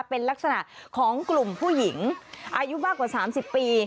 เป็นลักษณะของกลุ่มผู้หญิงอายุมากกว่า๓๐ปี